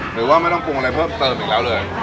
หรือว่าไม่ต้องปรุงอะไรเพิ่มเติมอีกแล้วเลย